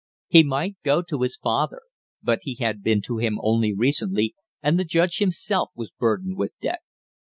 He might go to his, father, but he had been to him only recently, and the judge himself was burdened with debt.